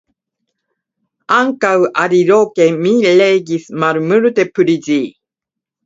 Ankaŭ aliloke mi legis malmulte pri ĝi.